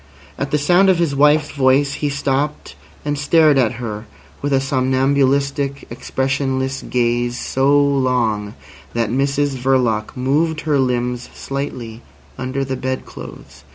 At the sound of his wife's voice he stopped and stared at her with a somnambulistic, expressionless gaze so long that Mrs Verloc moved her limbs slightly under the bed clothes.